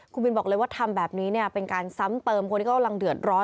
คุณบินบอกเลยว่าทำแบบนี้เป็นการซ้ำเติมคนที่เขากำลังเดือดร้อน